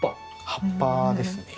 葉っぱですね。